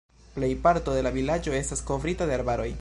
Plejparto de la vilaĝo estas kovrita de arbaroj.